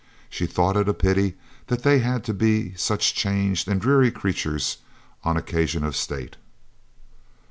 She thought it a pity that they had to be such changed and dreary creatures on occasions of state.